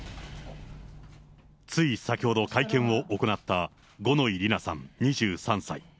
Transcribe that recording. つい先ほど、会見を行った五ノ井里奈さん２３歳。